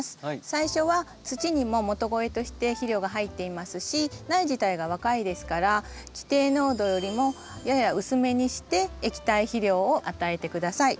最初は土にも元肥として肥料が入っていますし苗自体が若いですから規定濃度よりもやや薄めにして液体肥料を与えて下さい。